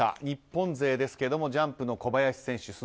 日本勢ですけどもジャンプの小林選手